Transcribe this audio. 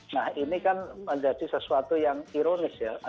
nah ini kan menjadi sesuatu yang ironis ya